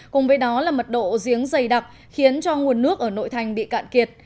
cùng với đó là mật độ giếng dày đặc khiến cho nguồn nước ở nội thành bị cạn kiệt